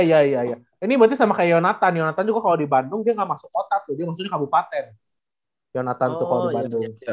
iya iya ini berarti sama kayak yonatan yonatan juga kalau di bandung dia nggak masuk kota tuh dia maksudnya kabupaten jonathan tuh kalau di bandung